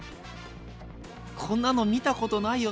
こんなの見たことないよ。